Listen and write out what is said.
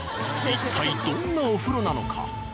一体どんなお風呂なのか？